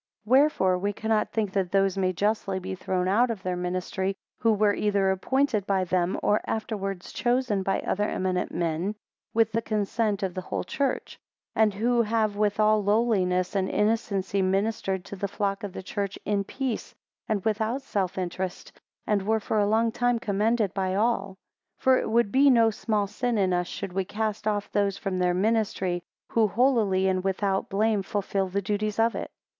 18 Wherefore we cannot think that those may justly be thrown out of their ministry, who were either appointed by them, or afterwards chosen by other eminent men, with the consent of the whole church; and who have with all lowliness and innocency ministered to the flock of Church, in peace, and without self interest, and were for a long time commended by all. 19 For it would be no small sin in us, should we cast off those from their ministry, who holily and without blame fulfil the duties of it.